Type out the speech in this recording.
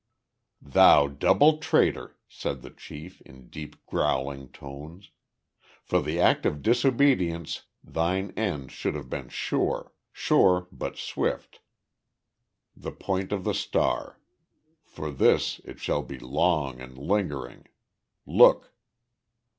"Thou double traitor," said the chief, in deep, growling tones. "For the act of disobedience thine end should have been sure sure but swift the Point of the Star. For this it shall be long, and lingering. Look."